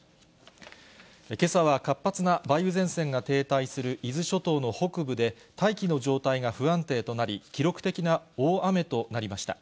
けさは活発な梅雨前線が停滞する伊豆諸島の北部で、大気の状態が不安定となり、記録的な大雨となりました。